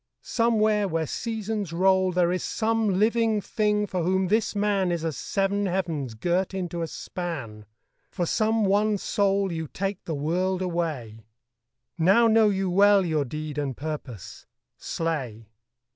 somewhere where seasons roll There is some living thing for whom this man Is as seven heavens girt into a span, For some one soul you take the world away Now know you well your deed and purpose. Slay!'